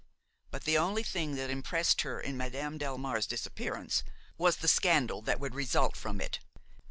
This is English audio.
But the only thing that impressed her in Madame Delmare's disappearance was the scandal that would result from it.